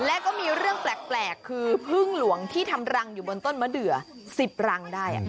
และก็มีเรื่องแปลกคือพึ่งหลวงที่ทำรังอยู่บนต้นมะเดือ๑๐รังได้